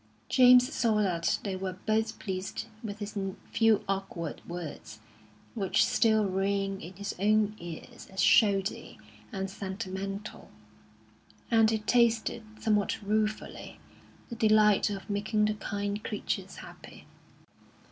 James saw that they were both pleased with his few awkward words, which still rang in his own ears as shoddy and sentimental, and he tasted, somewhat ruefully, the delight of making the kind creatures happy.